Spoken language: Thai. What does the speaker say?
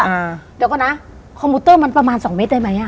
อ่าเดี๋ยวก่อนนะคอมพิวเตอร์มันประมาณสองเมตรได้ไหมอ่ะ